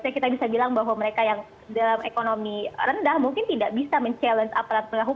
kita bisa bilang bahwa mereka yang dalam ekonomi rendah mungkin tidak bisa mencabar aparat penghukum